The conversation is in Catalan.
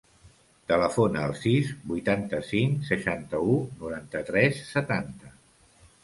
Telefona al sis, vuitanta-cinc, seixanta-u, noranta-tres, setanta.